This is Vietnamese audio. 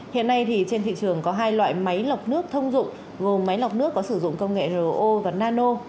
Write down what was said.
hiện nay trên thị trường có hai loại máy lọc nước thông dụng gồm máy lọc nước có sử dụng công nghệ ro và nano